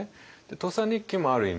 「土佐日記」もある意味